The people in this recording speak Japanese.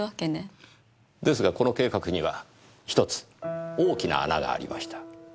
ですがこの計画には１つ大きな穴がありました。